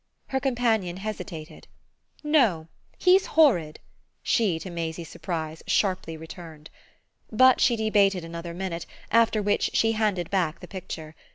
Her companion hesitated. "No he's horrid," she, to Maisie's surprise, sharply returned. But she debated another minute, after which she handed back the picture.